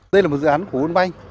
đây là một dự án của vốn bay